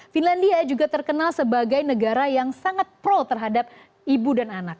finlandia juga terkenal sebagai negara yang sangat pro terhadap ibu dan anak